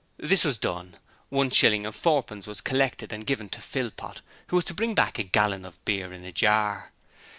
This was done: one shilling and fourpence was collected and given to Philpot, who was to bring back a gallon of beer in a jar.